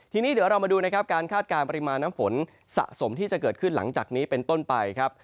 ทีนี้เดี๋ยวเรามาดูนะครับการคาดการณ์ปริมาณน้ำฝนสะสมที่จะเกิดขึ้นหลังจากนี้เป็นต้นไปครับ